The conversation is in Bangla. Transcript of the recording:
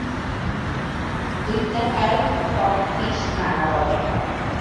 দৈত্যাকার ফ্রগফিশ নানা রঙের হয়।